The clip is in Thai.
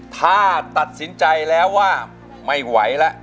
ถ้าตัดสินใจแล้วว่าไม่ไหวแล้ว